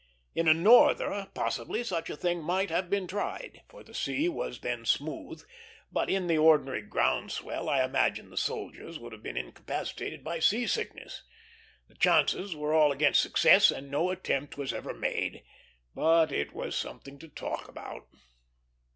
In a norther, possibly, such a thing might have been tried, for the sea was then smooth; but in the ordinary ground swell I imagine the soldiers would have been incapacitated by sea sickness. The chances were all against success, and no attempt was ever made; but it was something to talk about.